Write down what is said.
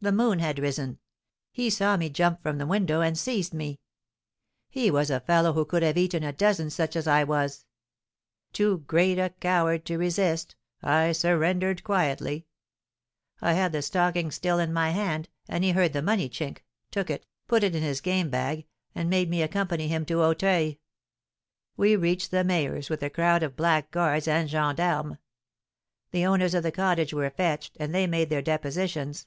"The moon had risen. He saw me jump from the window and seized me. He was a fellow who could have eaten a dozen such as I was. Too great a coward to resist, I surrendered quietly. I had the stocking still in my hand, and he heard the money chink, took it, put it in his game bag, and made me accompany him to Auteuil. We reached the mayor's with a crowd of blackguards and gens d'armes. The owners of the cottage were fetched, and they made their depositions.